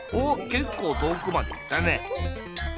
けっこうとおくまでいったね。